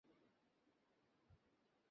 গত রাত্রে ওয়ালডর্ফ হোটেলে বক্তৃতা দিয়েছি।